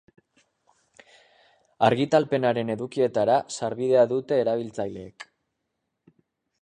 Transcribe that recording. Argitalpenaren edukietara sarbidea dute erabiltzaileek.